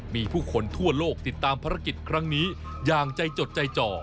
มีผู้คนทั่วโลกติดตามภารกิจครั้งนี้อย่างใจจดใจจ่อ